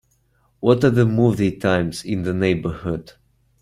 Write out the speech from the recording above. What are the movie times in the neighbourhood